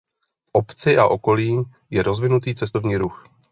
V obci a okolí je rozvinutý cestovní ruch.